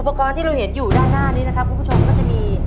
กรณ์ที่เราเห็นอยู่ด้านหน้านี้นะครับคุณผู้ชมก็จะมี